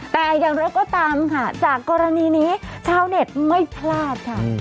แต่อย่างไรก็ตามค่ะจากกรณีนี้ชาวเน็ตไม่พลาดค่ะ